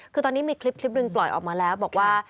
คือตอนนี้มีคลิปหนึ่งปล่อยออกมาแล้วบอกว่า